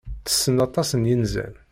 Tessen aṭas n yinzan.